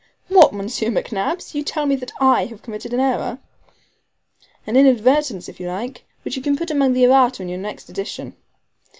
"What, Monsieur McNabbs! you tell me I have committed an error?" "An inadvertence, if you like, which you can put among the ERRATA in the next edition."